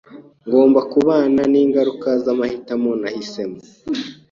Ngomba kubana ningaruka zamahitamo nahisemo.